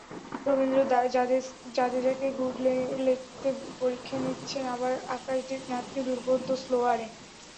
রবীন্দ্র জাদেজাকে গুড লেংথে পরীক্ষা নিচ্ছেন, আবার আকাশদীপ নাথকে দুর্বোধ্য স্লোয়ারে।